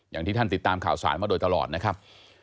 อย่างที่ท่านติดตามข่าวสารมาโดยตลอดนะครับ